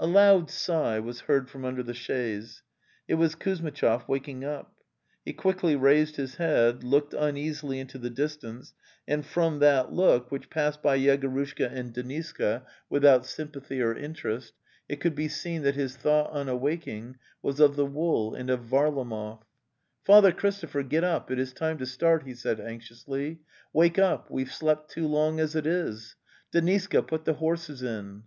A loud sigh was heard from under the chaise. It was Kuzmitchov waking up. He quickly raised his head, looked uneasily into the distance, and from that look, which passed by Yegorushka and Deniska 184 The Tales of Chekhov without sympathy or interest, it could be seen that his thought on awaking was of the wool and of Varla mov. 'Father Christopher, get up; it is time to start," he said anxiously. '*' Wake up; we've slept too long as it is! Deniska, put the horses in."